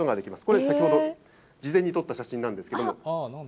これ、先ほど事前に撮った写真なんですけれども。